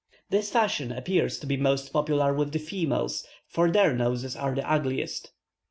This fashion appears to be most popular with the females, for their noses are the ugliest.